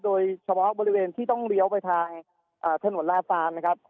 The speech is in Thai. โดยเฉพาะบริเวณที่ต้องเลี้ยวไปทางถนนลาซานนะครับ